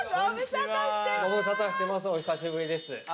お久しぶりです。